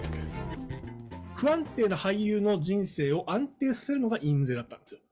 不安定な俳優の人生を安定させるのが印税だったんですよ。